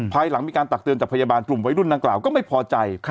ภายหลังมีการตักเตือนจากพยาบาลกลุ่มวัยรุ่นนางกล่าวก็ไม่พอใจ